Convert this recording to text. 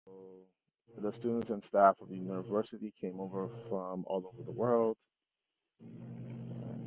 The students and staff of the University come from all over the world.